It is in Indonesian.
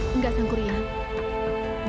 tidak sang kurian